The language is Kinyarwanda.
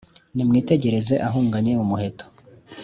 Nimwitegereze ahunganye umuheto